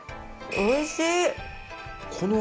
おいしい！